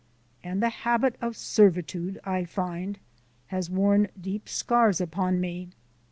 And the habit of servitude, I find, has worn deep scars upon me.